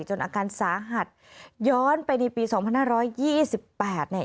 อาการสาหัสย้อนไปในปี๒๕๒๘เนี่ย